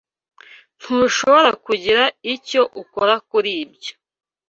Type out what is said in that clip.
Ntushobora kugira icyo ukora kuri ibyo.